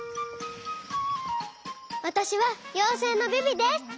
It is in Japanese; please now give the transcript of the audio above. わたしはようせいのビビです！